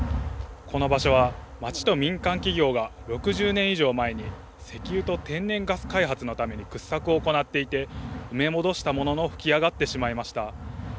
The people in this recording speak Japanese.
この場所は、町と民間企業が６０年以上前に石油と天然ガス開発のために掘削を行っていて、埋め戻したものの噴き上がってしまいました。